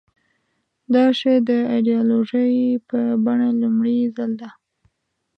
دا شی د ایدیالوژۍ په بڼه لومړي ځل ده.